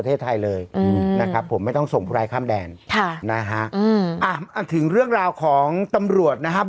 ถูกต้องไหมล่ะใช่